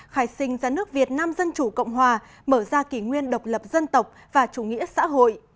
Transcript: khai sinh ra nước việt nam dân chủ cộng hòa mở ra kỷ nguyên độc lập dân tộc và chủ nghĩa xã hội